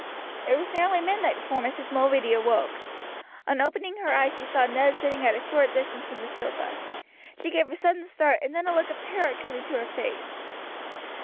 It was nearly midnight before Mrs. Mulready awoke. On opening her eyes she saw Ned sitting at a short distance from the sofa. She gave a sudden start, and then a look of terror came into her face.